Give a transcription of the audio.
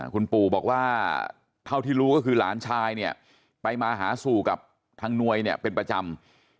คุณปู่บอกว่าเท่าที่รู้ก็คือหลานชายเนี่ยไปมาหาสู่กับทางหน่วยเนี่ยเป็นประจำ